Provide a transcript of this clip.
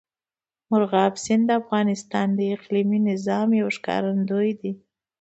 مورغاب سیند د افغانستان د اقلیمي نظام یو ښکارندوی دی.